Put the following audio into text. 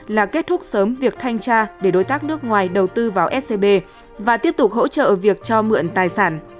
là kết thúc sớm việc thanh tra để đối tác nước ngoài đầu tư vào scb và tiếp tục hỗ trợ việc cho mượn tài sản